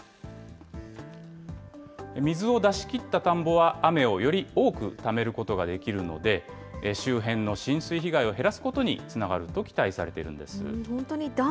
水を出し切った田んぼは雨をより多くためることができるので、周辺の浸水被害を減らすことにつながると期待されているんです。